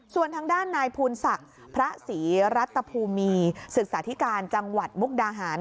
ส่วนทางด้านนายภูนศักดิ์พระศรีรัตภูมิศึกษาธิการจังหวัดมุกดาหาร